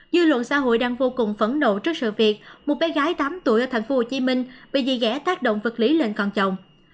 dư luận xã hội đang vô cùng phẫn nộ trước sự việc một bé gái tám tuổi ở tp hcm bị gì ghé tác động vật lý lên con chồng